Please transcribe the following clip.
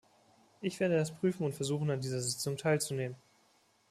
Ich werde das prüfen und versuchen, an dieser Sitzung teilzunehmen.